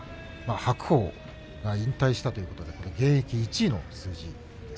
白鵬が引退したということで現役１位の数字です。